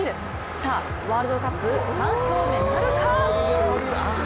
さあ、ワールドカップ３勝目なるか？